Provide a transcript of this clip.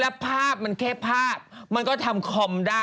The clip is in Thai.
แล้วภาพมันแค่ภาพมันก็ทำคอมได้